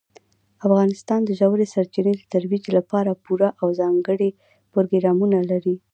افغانستان د ژورې سرچینې د ترویج لپاره پوره او ځانګړي پروګرامونه لري.